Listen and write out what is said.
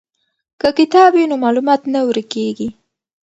که کتاب وي نو معلومات نه ورک کیږي.